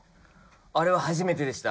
あれは初めてでした。